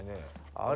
あれ？